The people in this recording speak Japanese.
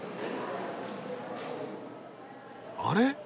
あれ？